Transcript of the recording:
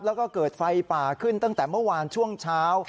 แล้วก็เกิดไฟป่าขึ้นตั้งแต่เมื่อวานช่วงเช้า